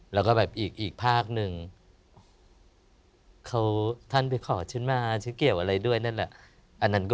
แล้วก็แบบอีกภาคหนึ่ง